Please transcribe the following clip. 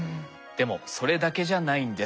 でもそれだけじゃないんです。